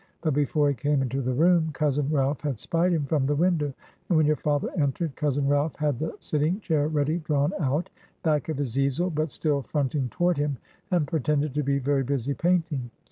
But before he came into the room, cousin Ralph had spied him from the window; and when your father entered, cousin Ralph had the sitting chair ready drawn out, back of his easel, but still fronting toward him, and pretended to be very busy painting.